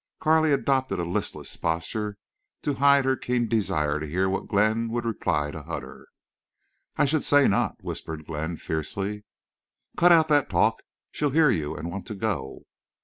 Carley adopted a listless posture to hide her keen desire to hear what Glenn would reply to Hutter. "I should say not!" whispered Glenn, fiercely. "Cut out that talk. She'll hear you and want to go."